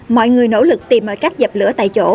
mọi người nỗ lực tìm mọi cách dập lửa tại chỗ